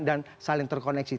dan saling terkoneksi